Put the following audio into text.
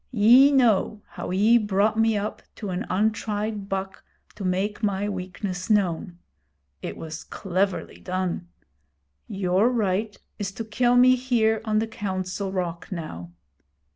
Ye know how ye brought me up to an untried buck to make my weakness known. It was cleverly done. Your right is to kill me here on the Council Rock, now.